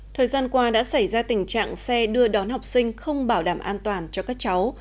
thời gian qua đã xảy ra tình trạng xe đưa đón học sinh không bảo đảm an toàn cho các cháu